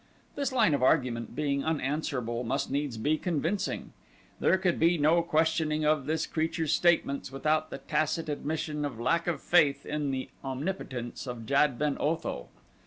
This line of argument being unanswerable must needs be convincing. There could be no questioning of this creature's statements without the tacit admission of lack of faith in the omnipotence of Jad ben Otho.